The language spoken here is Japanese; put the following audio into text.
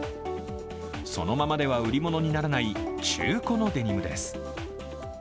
そのままでは売り物にならない中古のデニムです。